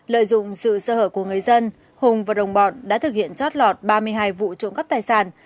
lợi dụng sự sơ hở của người dân hùng và đồng bọn đã thực hiện chót lọt ba mươi hai vụ trộm cắp tài sản